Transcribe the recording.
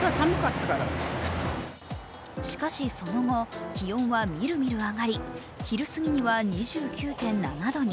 しかし、その後、気温はみるみる上がり昼すぎには２９．７度に。